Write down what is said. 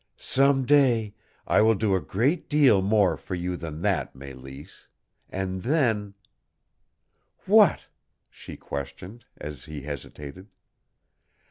"Some day I will do a great deal more for you than that, Mélisse, and then " "What?" she questioned, as he hesitated.